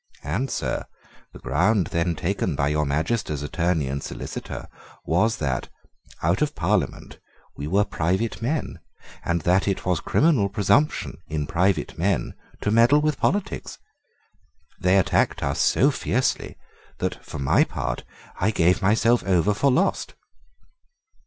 And, sir, the ground then taken by your Majesty's Attorney and Solicitor was that, out of Parliament, we were private men, and that it was criminal presumption in private men to meddle with politics. They attacked us so fiercely that for my part I gave myself over for lost."